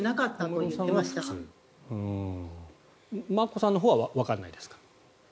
眞子さんのほうはわからないですか。